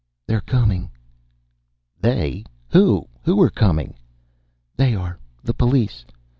"They're coming." "They? Who? Who are coming?" "They are. The police.